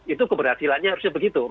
itu keberhasilannya harusnya begitu